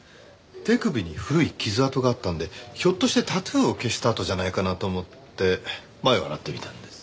手首に古い傷痕があったんでひょっとしてタトゥーを消した痕じゃないかなと思ってマエを洗ってみたんです。